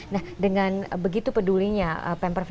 nah dengan begitu pedulinya pemprov dki jakarta terhadap korban ini